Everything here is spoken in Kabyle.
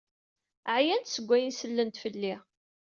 Ɛyant seg wayen sellent fell-i.